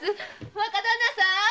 若旦那さん！